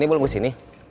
dini belum kesini